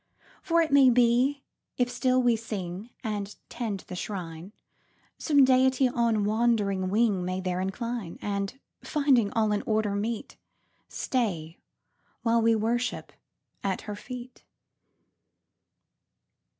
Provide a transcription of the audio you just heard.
"For it may be, if still we sing And tend the Shrine, Some Deity on wandering wing May there incline; And, finding all in order meet, Stay while we worship at Her feet."